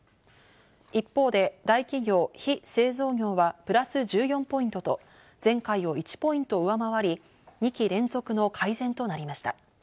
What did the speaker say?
一方で、大企業・非製造業はプラス１４ポイントと前回を１ポイント上回り、２期連続の改善となりました。